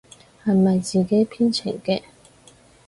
係咪自己編程嘅？